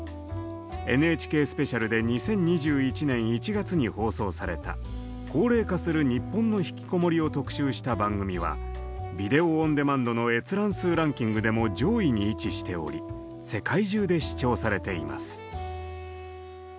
「ＮＨＫスペシャル」で２０２１年１月に放送された「高齢化する日本のひきこもり」を特集した番組はビデオオンデマンドの閲覧数ランキングでも上位に位置しており世界中で視聴されています。